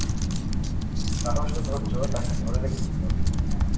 সাহস ও ধৈর্য তাকে ধরে রেখেছিল।